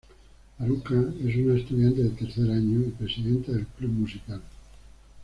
Haruka es una estudiante de tercer año y presidenta del club musical.